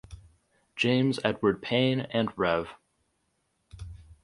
James Edward Payne and Rev.